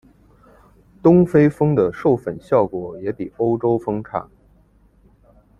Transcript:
东非蜂的授粉效果也比欧洲蜂差。